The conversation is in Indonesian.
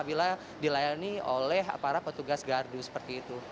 bila dilayani oleh para petugas gardu seperti itu